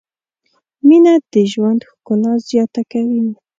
مینه د ژوند ښکلا زیاته کوي.